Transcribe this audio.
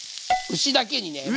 牛だけにね。